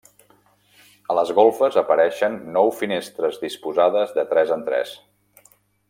A les golfes apareixen nou finestres disposades de tres en tres.